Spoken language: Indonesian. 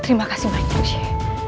terima kasih banyak shee